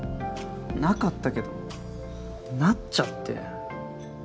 なかったけどなっちゃって。